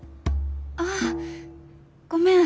あごめん。